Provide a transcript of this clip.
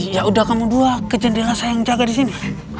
ya udah kamu dua ke jendela saya yang jaga disini